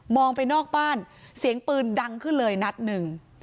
ไปนอกบ้านเสียงปืนดังขึ้นเลยนัดหนึ่ง